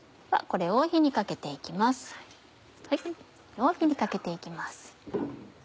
これを火にかけて行きます。